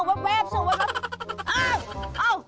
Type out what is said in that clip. เอ้านี่ไงเจอแล้ว